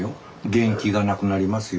元気がなくなりますよ。